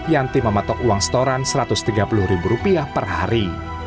yanti mematok uang setoran satu ratus tiga puluh ribu rupiah per hari